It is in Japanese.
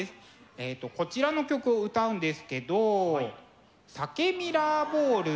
えっとこちらの曲を歌うんですけど「鮭ミラーボール」。